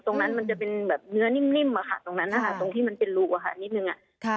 มันจะเป็นแบบเนื้อนิ่มอะค่ะตรงนั้นนะคะตรงที่มันเป็นรูอะค่ะนิดนึง